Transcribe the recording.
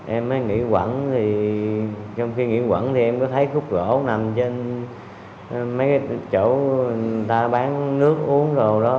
em mới nghỉ quẩn thì em có thấy khúc gỗ nằm trên mấy chỗ người ta bán nước uống rồi đó